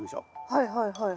はいはいはいはい。